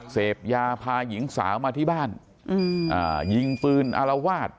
เสพยาพายิงสามาที่บ้านอืมอ่ายิงปืนอารวาด